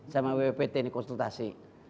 sama bppt ini konsultasi